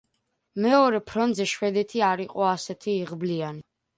მეორე ფრონტზე შვედეთი არ იყო ასეთი იღბლიანი.